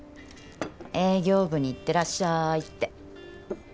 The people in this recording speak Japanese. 営業部に行ってらっしゃいって。